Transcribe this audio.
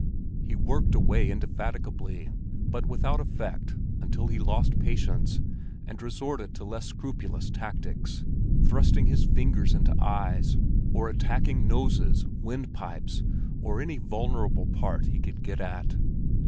He worked away indefatigably but without effect until he lost patience and resorted to less scrupulous tactics—thrusting his fingers into eyes, or attacking noses, windpipes, and any vulnerable part he could get at.